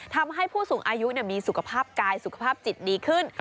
ทำให้ผู้สูงอายุมีสุขภาพกายสุขภาพจิตดีขึ้น